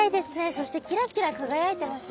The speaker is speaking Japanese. そしてキラキラ輝いてますね。